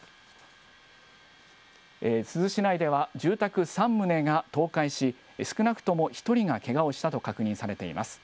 珠洲市内では住宅３棟が倒壊し、少なくとも１人がけがをしたと確認されています。